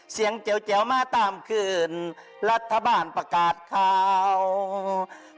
เสียงแจวมาตามเคินรัฐบาลประกาศคง